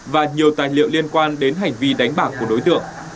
và nhiều tài liệu liên quan đến hành vi đánh bạc của đối tượng